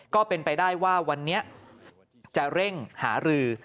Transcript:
ก็เป็นไปได้ว่าวันนี้จะเร่งหารือ